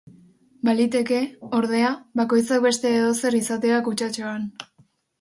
Baliteke, ordea, bakoitzak beste edozer izatea kutxatxoan.